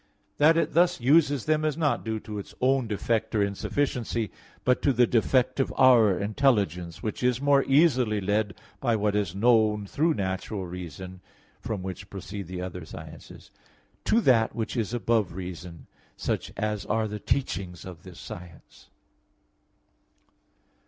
That it thus uses them is not due to its own defect or insufficiency, but to the defect of our intelligence, which is more easily led by what is known through natural reason (from which proceed the other sciences) to that which is above reason, such as are the teachings of this science.